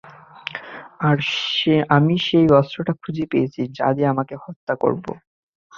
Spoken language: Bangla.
আর আমি সেই অস্ত্রটা খুঁজে পেয়েছি, যা দিয়ে আমি তাকে হত্যা করবো।